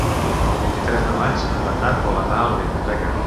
El vint-i-tres de maig en Bernat vol anar a la biblioteca.